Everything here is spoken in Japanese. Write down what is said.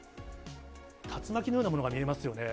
竜巻のようなものが見えますよね。